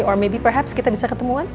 or maybe perhaps kita bisa ketemuan